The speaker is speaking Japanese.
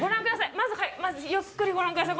まずはいまずゆっくりご覧ください